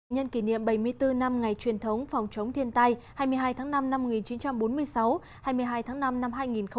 nhân kỷ niệm bảy mươi bốn năm ngày truyền thống phòng chống thiên tai hai mươi hai tháng năm năm một nghìn chín trăm bốn mươi sáu hai mươi hai tháng năm năm hai nghìn một mươi chín